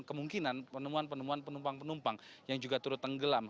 kemungkinan penemuan penemuan penumpang penumpang yang juga turut tenggelam